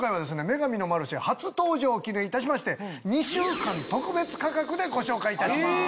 『女神のマルシェ』初登場を記念いたしまして２週間特別価格でご紹介いたします。